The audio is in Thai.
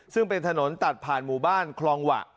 ซึ่งเป็นถนนตัดผ่านหมู่บ้านคลองหวะ